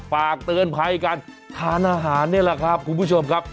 ฝากเตือนภัยกันทานอาหารนี่แหละครับคุณผู้ชมครับ